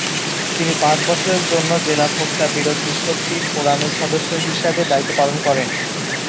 তিনি পাঁচ বছরের জন্য জেলা ভোক্তা বিরোধ নিষ্পত্তি ফোরামের সদস্য হিসাবে দায়িত্ব পালন করেন।